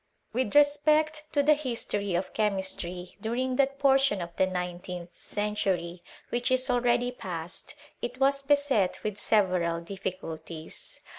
With respect to the History of Chemistry during that portion of the nineteenth century which is alreadi past, it was beset with several diffieulties.